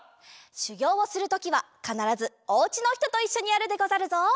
しゅぎょうをするときはかならずおうちのひとといっしょにやるでござるぞ。